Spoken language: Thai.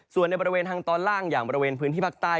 ส่วนในฐานตอนล่างอย่างบริเวณพื้นที่ภาคต้าย